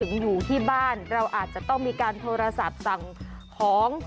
อยู่ที่บ้านเราอาจจะต้องมีการโทรศัพท์สั่งของ